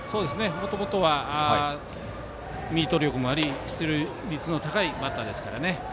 もともとはミート力もあり出塁率の高いバッターですからね。